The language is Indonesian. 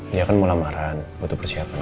dia kan mau lamaran butuh persiapan